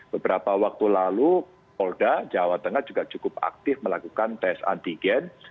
beberapa waktu lalu polda jawa tengah juga cukup aktif melakukan tes antigen